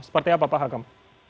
seperti apa pak hagam